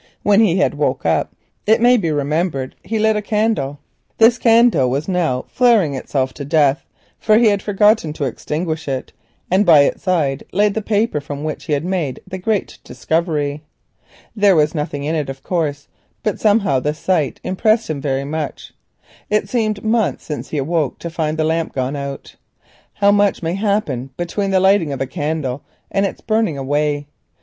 When he had woke up, it may be remembered, he lit a candle. This candle was now flaring itself to death, for he had forgotten to extinguish it, and by its side lay the paper from which he had made the great discovery. There was nothing in it, of course, but somehow the sight impressed him very much. It seemed months since he awoke to find the lamp gone out. How much may happen between the lighting of a candle and its burning away!